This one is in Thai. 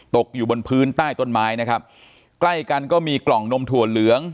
ตกอยู่บนพื้นใต้ต้นไม้นะครับใกล้กันก็มีกล่องนมถั่วเหลือง